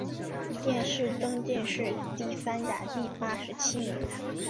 殿试登进士第三甲第八十七名。